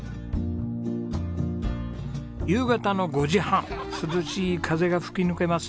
夕方の５時半涼しい風が吹き抜けます。